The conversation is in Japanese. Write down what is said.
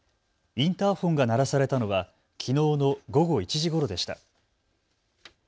インターフォンが鳴らされたのはきのうの午後１時ごろでした。